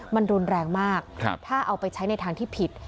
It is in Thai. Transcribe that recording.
มันรุนแรงมากถ้าเอาไปใช้ในทางที่ผิด